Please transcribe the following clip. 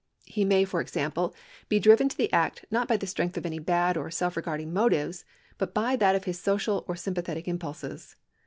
He may, for example, be driven to the act not by the strength of any bad or self regarding motives, but by that of his social or sympathetic impulses.